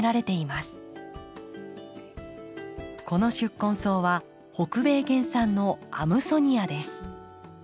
この宿根草は北米原産のアムソニアです。